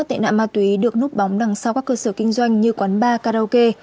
tệ nạn ma túy được núp bóng đằng sau các cơ sở kinh doanh như quán bar karaoke